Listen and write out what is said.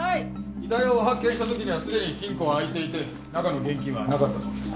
遺体を発見した時にはすでに金庫は開いていて中の現金はなかったそうです。